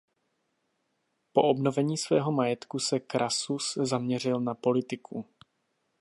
Po obnovení svého majetku se Crassus zaměřil na politiku.